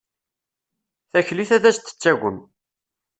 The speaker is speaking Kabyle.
Taklit ad as-d-tettagem.